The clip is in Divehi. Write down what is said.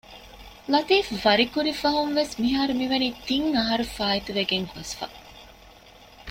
ލަތީފްވަރިކުރި ފަހުންވެސް މިހާރު މިވަނީ ތިން އަހަރު ފާއިތުވެގެން ގޮސްފަ